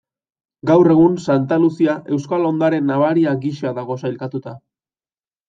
Gaur egun Santa Luzia euskal ondare nabaria gisa dago sailkatuta.